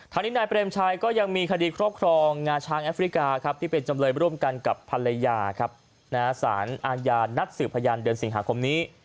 นี้นายเปรมชัยก็ยังมีคดีครอบครองงาช้างแอฟริกาครับที่เป็นจำเลยร่วมกันกับภรรยาครับสารอาญานัดสืบพยานเดือนสิงหาคมนี้